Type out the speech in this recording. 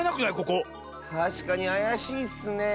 たしかにあやしいッスねえ。